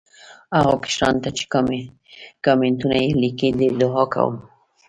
هغو کشرانو ته چې کامینټونه یې لیکلي دي، دعا کوم.